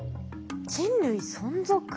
人類存続？